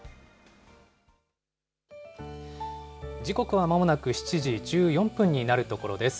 時刻はまもなく７時１４分になるところです。